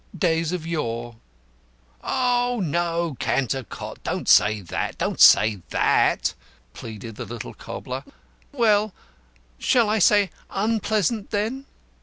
days of yore." "Oh, no, Cantercot. Don't say that; don't say that!" pleaded the little cobbler. "Well, shall I say unpleasant, then?"